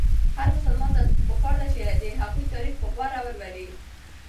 هر مسلمان ته پکار ده چې د هغوی تاریخ په غور ولولي.